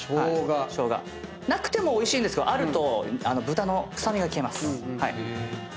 なくてもおいしいんですがあると豚の臭みが消えます。